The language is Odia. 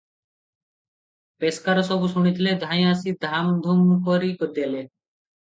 ପେସ୍କାରେ ସବୁ ଶୁଣୁଥିଲେ, ଧାଇଁ ଆସି ଥାମ ଥୁମ କରି ଦେଲେ ।